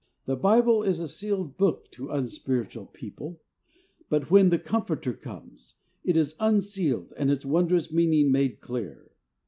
The Bible is a sealed book to unspiritual people, but when the Comforter comes it is unsealed and its wondrous meaning made clear.